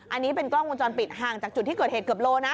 อันนี้เป็นกล้องวงจรปิดห่างจากจุดที่เกิดเหตุเกือบโลนะ